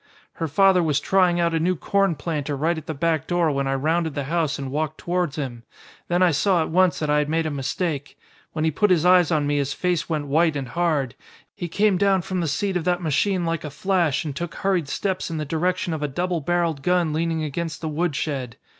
"Her father was trying out a new corn planter right at the back door when I rounded the house and walked towards him. Then I saw, at once, that I had made a mistake. When he put his eyes on me his face went white and hard. He came down from the seat of that machine like a flash, and took hurried steps in the direction of a doublebarrelled gun leaning against the woodshed.